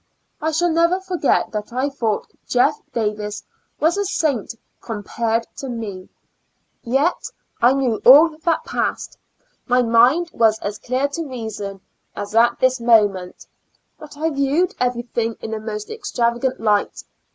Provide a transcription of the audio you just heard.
I shall never forget that I thought Jeff Davis was a saint compared to me ; yet I knew all that passed ; my mind was as clear to reason as at this moment, but I viewed everything in a most extravagant light.